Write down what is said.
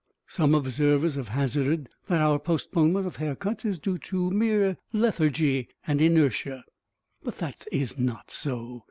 Some observers have hazarded that our postponement of haircuts is due to mere lethargy and inertia, but that is not so.